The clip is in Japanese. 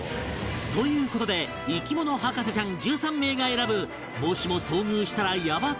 という事で生き物博士ちゃん１３名が選ぶもしも遭遇したらヤバすぎる